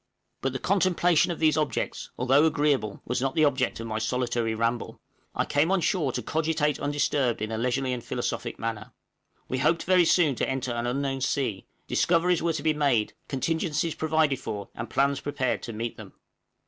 But the contemplation of these objects, although agreeable, was not the object of my solitary ramble; I came on shore to cogitate undisturbed in a leisurely and philosophic manner. We hoped very soon to enter an unknown sea; discoveries were to be made, contingencies provided for, and plans prepared to meet them.